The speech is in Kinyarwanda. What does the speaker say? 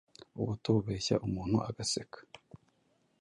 ubuto bubeshya umuntu agaseka”